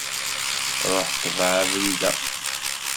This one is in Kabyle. Ruḥ tbeε abrid-a.